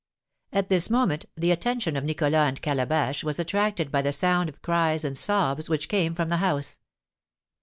At this moment the attention of Nicholas and Calabash was attracted by the sound of cries and sobs which came from the house.